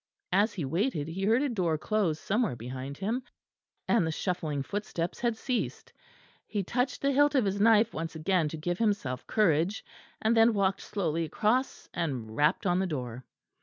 As he waited he heard a door close somewhere behind him, and the shuffling footsteps had ceased. He touched the hilt of his knife once again to give himself courage; and then walked slowly across and rapped on the door.